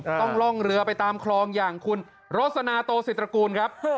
ต้องล่องเรือไปตามคลองอย่างคุณโรสนาโตศิตระกูลครับ